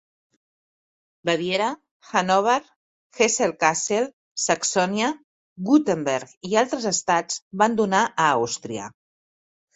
Baviera, Hannover, Hesse-Kassel, Saxònia, Württemberg i altres estats van donar a Àustria.